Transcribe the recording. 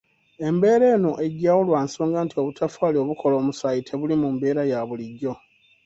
Embeera eno ejjawo lwa nsonga nti obutaffaali obukola omusaayi tebuli mu mbeera ya bulijjo.